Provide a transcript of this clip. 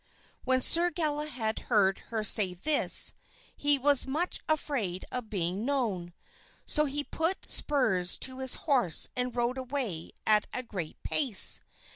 When Sir Galahad heard her say this, he was much afraid of being known; so he put spurs to his horse and rode away at a great pace.